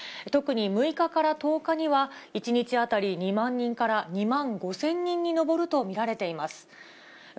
特に６日から１０日には、１日当たり２万人から２万５０００人に上ると予想されています。